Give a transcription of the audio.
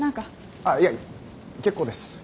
あっいや結構です。